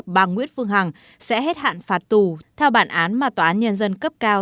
bà nguyễn phương hằng sẽ hết hạn phạt tù theo bản án mà tòa án nhân dân cấp cao